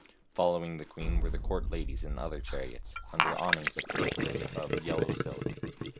Following the queen were the court ladies in other chariots, THE HUNTSMAN'S SON 87 under awnings of purple or of yellow silk.